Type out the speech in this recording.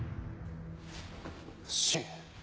信。